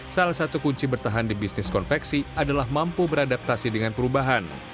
salah satu kunci bertahan di bisnis konveksi adalah mampu beradaptasi dengan perubahan